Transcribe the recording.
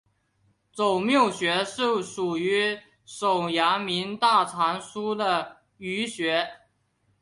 肘髎穴是属于手阳明大肠经的腧穴。